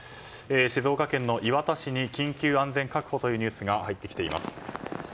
静岡県の磐田市に緊急安全確保というニュースが入ってきています。